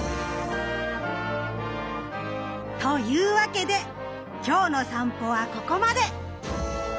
というわけで今日の散歩はここまで！